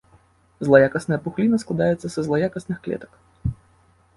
Злаякасная пухліна складаецца са злаякасных клетак.